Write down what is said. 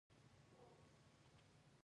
پوهیږو چې تاسو هم ستړي یاست